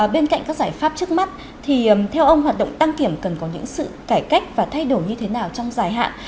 bên cạnh các giải pháp trước mắt thì theo ông hoạt động đăng kiểm cần có những sự cải cách và thay đổi như thế nào trong dài hạn